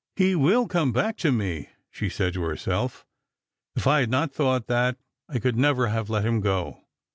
" He will come back to me," she said to herself. " If I had not thought that, I could never have let him go.